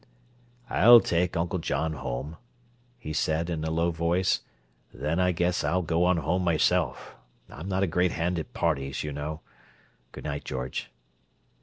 "I'll take Uncle John home," he said, in a low voice. "Then I guess I'll go on home myself—I'm not a great hand at parties, you know. Good night, George."